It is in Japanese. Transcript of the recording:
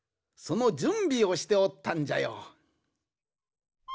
そのじゅんびをしておったんじゃよ。